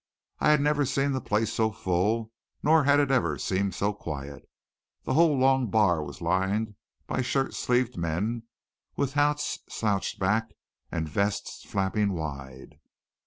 I had never seen the place so full, nor had it ever seemed so quiet. The whole long bar was lined by shirt sleeved men, with hats slouched back and vests flapping wide.